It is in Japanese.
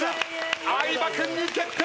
相葉君に決定です！